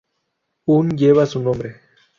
Un lleva su nombre.